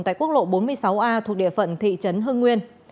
tại quốc lộ bốn mươi sáu a thuộc địa phận thị trấn hưng nguyên